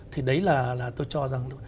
thì đấy là tôi cho rằng